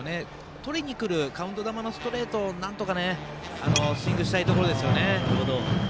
とりにくるカウント球のストレートをなんとかねスイングしたいところですよね。